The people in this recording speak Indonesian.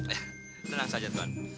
eh tenang saja tuan